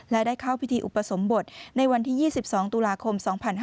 และได้เข้าพิธีอุปสมบทในวันที่๒๒ตุลาคม๒๕๕๙